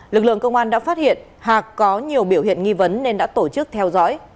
lực lượng công an đã phát hiện hạc có nhiều biểu hiện nghi vấn nên đã tổ chức theo dõi